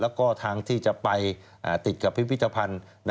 แล้วก็ทางที่จะไปติดกับพิพิธภัณฑ์